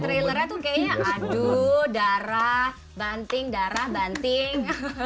trailernya tuh kayaknya aduh darah banting darah banting